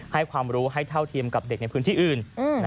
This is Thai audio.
ให้ความรู้ให้เท่าเทียมกับเด็กในพื้นที่อื่น